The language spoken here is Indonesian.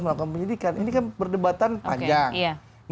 melakukan penyelidikan ini kan berdebatan panjang